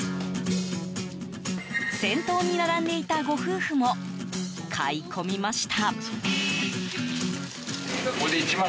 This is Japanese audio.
先頭に並んでいたご夫婦も買い込みました。